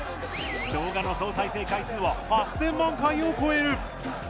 動画の総再生回数は８０００万回を超える！